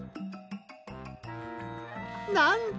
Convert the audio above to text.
なんと！？